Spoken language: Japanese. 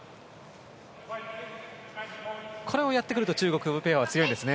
これをやってくると中国ペアは強いですね。